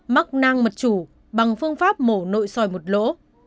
mắc nang mật chủ bằng phương pháp mổ nội soi một lỗ